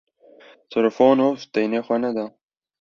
Trifonof deynê xwe neda.